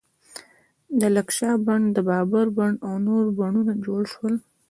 د لکشا بڼ، د بابر بڼ او نور بڼونه جوړ شول.